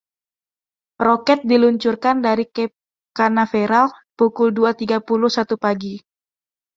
Roket diluncurkan dari Cape Canaveral pukul dua tiga puluh satu pagi.